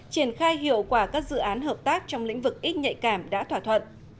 triển khai hiệu quả các dự án hợp tác trong lĩnh vực ít nhạy cảm đã thỏa thuận